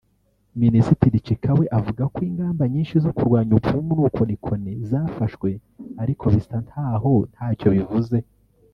Minisitiri Chikawe avuga ko ingamba nyinshi zo kurwanya ubupfumu n’ubukonikoni zafashwe ariko bisa ntaho ntacyo bivuze